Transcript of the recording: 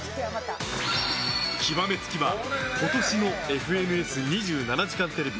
極め付きは今年の「ＦＮＳ２７時間テレビ」